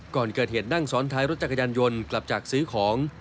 ก่อนเกิดเหตุนั่งซ้อนท้ายรถจักรยานยนต์กลับจากซื้อของ